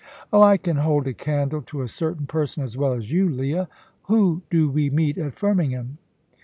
"Oh, I can hold a candle to a certain person as well as you, Leah. Who do we meet at Firmingham?"